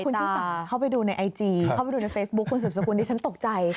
คุณชิสาเข้าไปดูในไอจีเข้าไปดูในเฟซบุ๊คคุณสืบสกุลดิฉันตกใจ